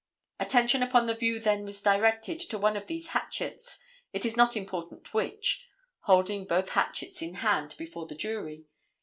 Attention upon the view then was directed to one of these hatchets, it is not important which (holding both hatchets in hand before the jury.)